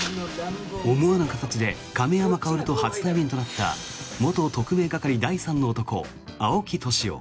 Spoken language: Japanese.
思わぬ形で亀山薫と初対面となった元特命係第３の男、青木年男。